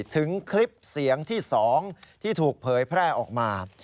คลิปเสียงที่๒ที่ถูกเผยแพร่ออกมา